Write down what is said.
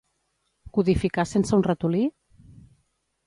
Codificar sense un ratolí?